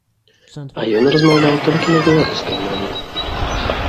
А ён размаўляў толькі на беларускай мове.